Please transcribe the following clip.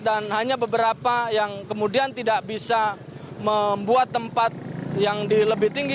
dan hanya beberapa yang kemudian tidak bisa membuat tempat yang lebih tinggi